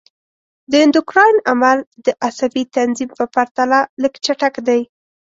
د اندوکراین عمل د عصبي تنظیم په پرتله لږ چټک دی.